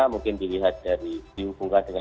mungkin dilihat dari hubungannya